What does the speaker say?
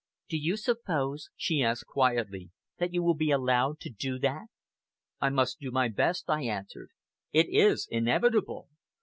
"Do you suppose," she asked quietly, "that you will be allowed to do that?" "I must do my best,"' I answered. "It is inevitable.